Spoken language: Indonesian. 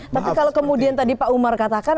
tapi kalau kemudian tadi pak umar katakan